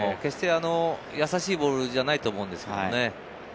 やさしいボールではないと思うんですけどね。